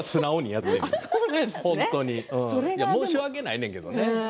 申し訳ないんやけどね。